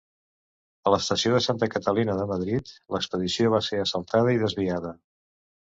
A l'estació de Santa Catalina de Madrid l'expedició va ser assaltada i desviada.